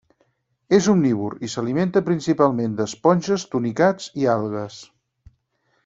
És omnívor, i s'alimenta principalment d'esponges, tunicats i algues.